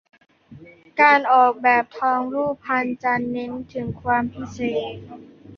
การออกแบบทองรูปพรรณจะเน้นถึงความพิเศษ